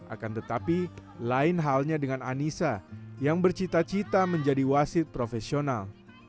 akan tetapi lain halnya dengan anissa yang bercita cita menjadi wasit profesional